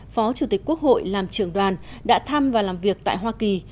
phó chủ tịch quốc hội làm trưởng đoàn đã thăm và làm việc tại hoa kỳ